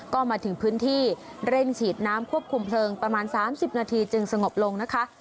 ก็มาถึงพื้นที่เร่งฉีดน้ำควบคุมเพลิงประมาณ๓๐นาทีจึงสงบลงนะคะ